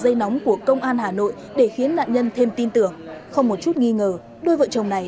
dây nóng của công an hà nội để khiến nạn nhân thêm tin tưởng không một chút nghi ngờ đôi vợ chồng này